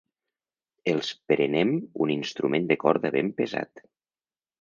Els prenem un instrument de corda ben pesat.